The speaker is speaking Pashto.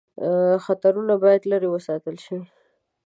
خطرونه باید لیري وساتل شي.